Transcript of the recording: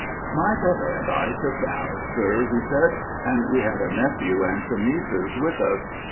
"My brother and I took the house, sir," he said, "and we had a nephew and some nieces with us.